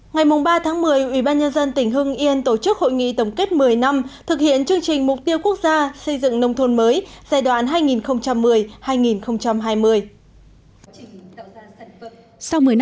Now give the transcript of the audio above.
ngày ba một mươi ubnd tỉnh hưng yên tổ chức hội nghị tổng kết một mươi năm thực hiện chương trình mục tiêu quốc gia xây dựng nông thôn mới giai đoạn hai nghìn một mươi hai nghìn hai mươi